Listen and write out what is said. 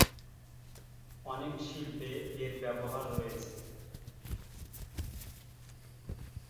অনেক শিল্পে এর ব্যবহার রয়েছে।